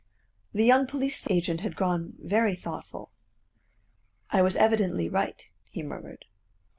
The young police agent had grown very thoughtful. "I was evidently right," he murmured.